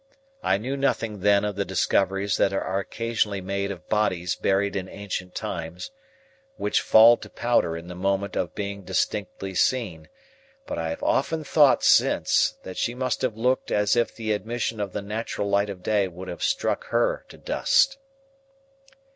I knew nothing then of the discoveries that are occasionally made of bodies buried in ancient times, which fall to powder in the moment of being distinctly seen; but, I have often thought since, that she must have looked as if the admission of the natural light of day would have struck her to dust.